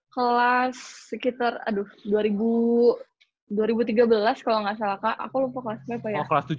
kelas sekitar aduh dua ribu dua ribu tiga belas kalo gak salah kak aku lupa kelas berapa ya